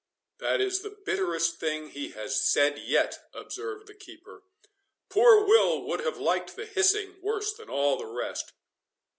"That is the bitterest thing he has said yet," observed the keeper. "Poor Will would have liked the hissing worse than all the rest."